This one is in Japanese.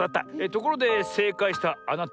ところでせいかいしたあなた。